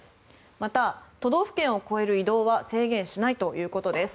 また、都道府県を越える移動は制限しないということです。